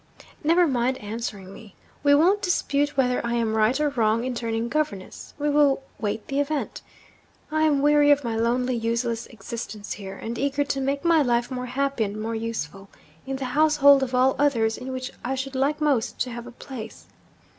Never mind answering me! We won't dispute whether I am right or wrong in turning governess we will wait the event. I am weary of my lonely useless existence here, and eager to make my life more happy and more useful, in the household of all others in which I should like most to have a place.